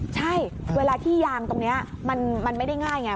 ใช่เวลาที่ยางตรงนี้มันไม่ได้ง่ายไง